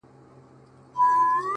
زه - ته او سپوږمۍ-